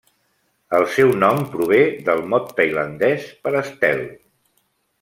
El seu nom prové del mot tailandès per estel.